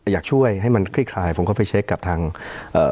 อยากช่วยให้มันคลี่คลายผมก็ไปเช็คกับทางเอ่อ